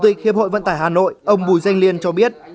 chủ tịch hiệp hội vận tải hà nội ông bùi danh liên cho biết